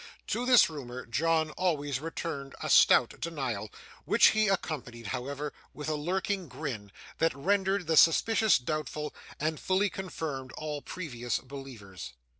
To this rumour John always returned a stout denial, which he accompanied, however, with a lurking grin, that rendered the suspicious doubtful, and fully confirmed all previous believers.